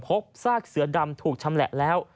กซากเสือดำถูกชำแหละแล้ว